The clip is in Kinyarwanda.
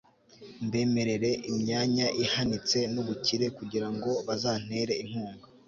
mbemerere imyanya ihanitse n'ubukire, kugira ngo bazantere inkunga